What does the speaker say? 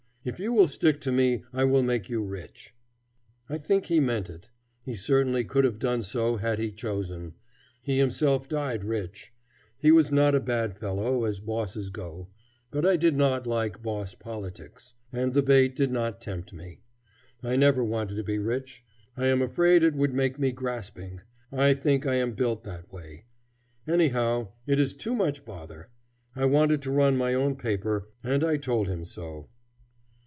If you will stick to me, I will make you rich." I think he meant it. He certainly could have done so had he chosen. He himself died rich. He was not a bad fellow, as bosses go. But I did not like boss politics. And the bait did not tempt me. I never wanted to be rich. I am afraid it would make me grasping; I think I am built that way. Anyhow, it is too much bother. I wanted to run my own paper, and I told him so.